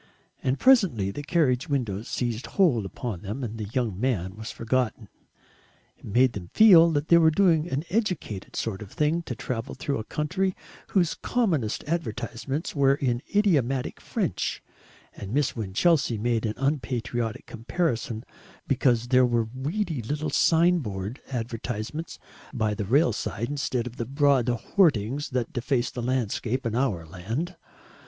And presently the carriage windows seized hold upon them and the young man was forgotten. It made them feel that they were doing an educated sort of thing to travel through a country whose commonest advertisements were in idiomatic French, and Miss Winchelsea made unpatriotic comparisons because there were weedy little sign board advertisements by the rail side instead of the broad hoardings that deface the landscape in our land.